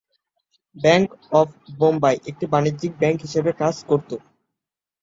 Bank of Bombay একটি বাণিজ্যিক bank হিসেবে কাজ করত।